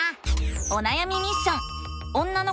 おなやみミッション！